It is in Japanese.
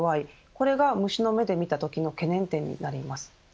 これが虫の目で見たときの懸念点になります。